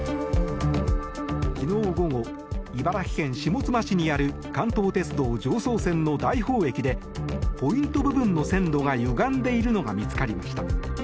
昨日午後、茨城県下妻市にある関東鉄道常総線の大宝駅でポイント部分の線路がゆがんでいるのが見つかりました。